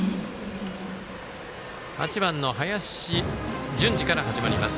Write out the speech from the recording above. ８番、林純司から始まります。